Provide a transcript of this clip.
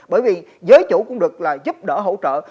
bởi vì giới chủ cũng được là giúp đỡ hỗ trợ